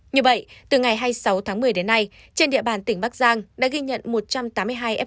như vậy từ ngày hai mươi sáu tháng một mươi đến nay trên địa bàn tỉnh bắc giang đã ghi nhận một trăm tám mươi hai f